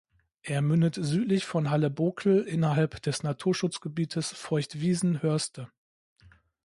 Er mündet südlich von Halle-Bokel innerhalb des Naturschutzgebietes Feuchtwiesen Hörste.